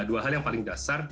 dua hal yang paling dasar